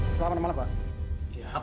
selamat malam pak